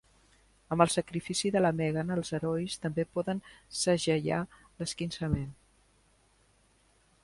Amb el sacrifici de la Meggan, els herois també poden segellar l"esquinçament.